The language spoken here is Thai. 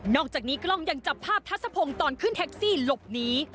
อกจากนี้กล้องยังจับภาพทัศพงศ์ตอนขึ้นแท็กซี่หลบหนี